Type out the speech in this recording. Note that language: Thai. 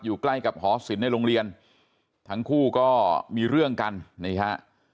ใกล้กับหอศิลปในโรงเรียนทั้งคู่ก็มีเรื่องกันนี่ฮะ